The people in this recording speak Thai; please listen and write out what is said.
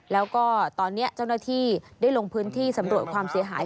แล้วก็ตอนนี้เจ้าหน้าที่ได้ลงพื้นที่สำรวจความเสียหาย